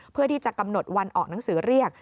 เพื่อที่จะกำหนดวันออกหนังสือเรียก